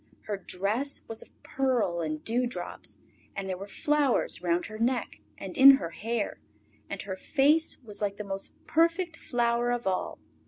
Her dress was of pearl and dew drops, and there were flowers round her neck and in her hair, and her face was like the most perfect flower of all.